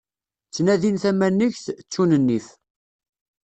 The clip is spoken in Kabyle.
Ttnadin tamanegt, ttun nnif.